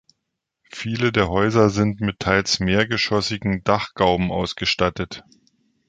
Viele der Häuser sind mit teils mehrgeschossigen Dachgauben ausgestattet.